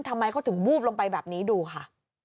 ทำไมเขาถึงวูบลงไปแบบนี้ดูค่ะ